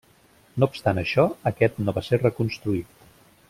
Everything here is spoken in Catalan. No obstant això, aquest no va ser reconstruït.